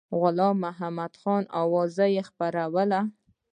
غلام محمدخان اوازې خپرولې.